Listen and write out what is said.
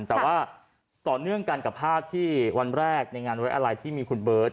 แต่ว่าต่อเนื่องกันกับภาพที่วันแรกในงานไว้อะไรที่มีคุณเบิร์ต